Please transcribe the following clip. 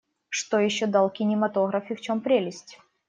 Что еще дал кинематограф и в чем прелесть?